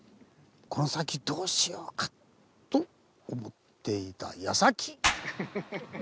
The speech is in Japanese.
この先どうしようかと思っていたやさき！